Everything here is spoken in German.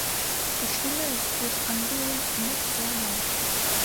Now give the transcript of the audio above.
Die Stimme ist recht angenehm und nicht sehr laut.